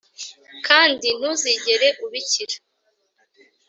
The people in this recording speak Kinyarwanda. kandi ntuzigera ubikira.